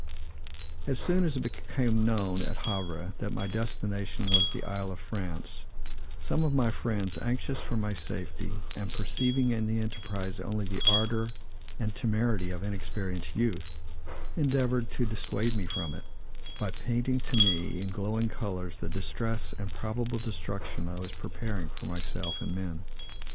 As soon as it became known at Havre, that my destination was the Isle of France, some of my friends, anxious for my safety, and perceiving in the enterprise only the ardor and temerity of inexperienced youth, endeavored to dissuade me from it, by painting to me, in glowing colors, the distress and probable destruction I was preparing for myself and men.